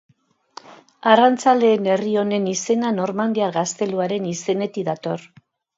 Arrantzaleen herri honen izena normandiar gazteluaren izenetik dator.